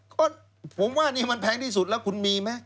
ก็ผมว่านี่มันแพงที่สุดแล้วคุณมีไหม